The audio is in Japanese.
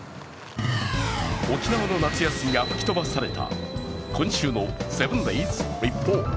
沖縄の夏休みが吹き飛ばされた今週の「７ｄａｙｓリポート」。